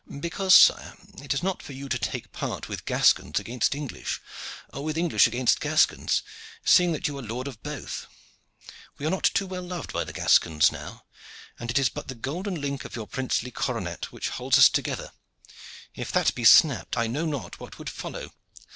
"Because, sire, it is not for you to take part with Gascons against English, or with English against Gascons, seeing that you are lord of both. We are not too well loved by the Gascons now, and it is but the golden link of your princely coronet which holds us together. If that be snapped I know not what would follow."